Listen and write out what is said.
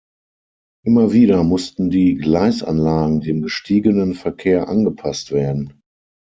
Immer wieder mussten die Gleisanlagen dem gestiegenen Verkehr angepasst werden.